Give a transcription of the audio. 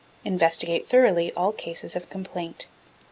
Investigate thoroughly all cases of complaint.